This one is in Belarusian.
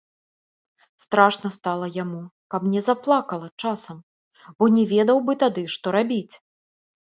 Страшна стала яму, каб не заплакала часам, бо не ведаў бы тады, што рабіць.